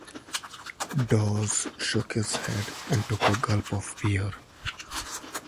Dawes shook his head, and took a gulp of beer.